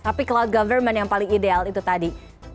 tapi cloud government yang paling ideal itu tadi